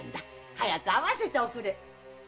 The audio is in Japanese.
早く会わせておくれ！